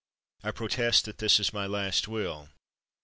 I protest that this is my last will.